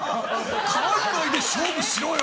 海外で勝負しろよ！